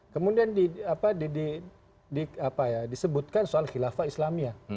kemudian disebutkan soal khilafah islamia